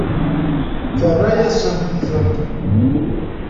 Terra-yasent-tent.